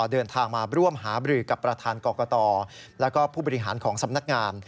เดินทางมาร่วมหาบรือกับประธานกรกตและผู้บริหารของสำนักงาน